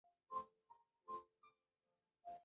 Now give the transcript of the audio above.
早阳乡是中国陕西省安康市汉滨区下辖的一个乡。